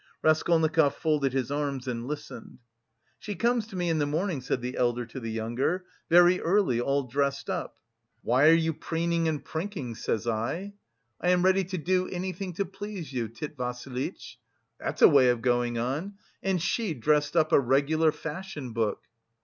Raskolnikov folded his arms and listened. "She comes to me in the morning," said the elder to the younger, "very early, all dressed up. 'Why are you preening and prinking?' says I. 'I am ready to do anything to please you, Tit Vassilitch!' That's a way of going on! And she dressed up like a regular fashion book!"